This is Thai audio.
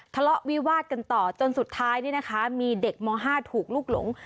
ทะเลาะวิวาดกันต่อจนสุดท้ายมีเด็กหมอ๕ถูกลุกหลง